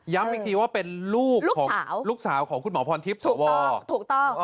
ย้ำอีกทีว่าเป็นลูกสาวของคุณหมอพรทิพย์สวถูกต้อง